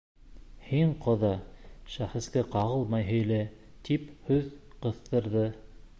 — Һин, ҡоҙа, шәхескә ҡағылмай һөйлә, — тип һүҙ ҡыҫтырҙы.